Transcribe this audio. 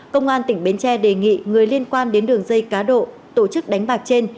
công an tỉnh bến tre đề nghị người liên quan đến đường dây cá độ tổ chức đánh bạc trên